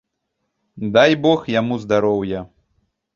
Дай бог яму здароўя!